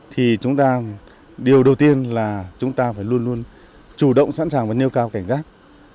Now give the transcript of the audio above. thì chúng ta điều đầu tiên là chúng ta phải luôn luôn chủ động sẵn sàng và nêu cao cảnh giác